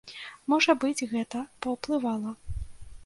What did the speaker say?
Можа быць, гэта паўплывала.